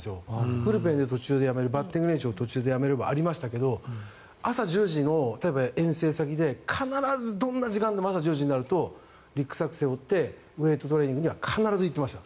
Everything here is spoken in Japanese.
ブルペンで途中でやめるバッティング練習を途中でやめるのもありましたが朝１０時の例えば遠征先で必ず１０時になるとリュックサックを背負ってウェートトレーニングには必ず行っていました。